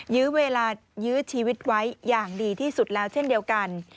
ยื้อเวลายื้อชีวิตไว้อย่างดีที่สุดแล้วเช่นเดียวกัน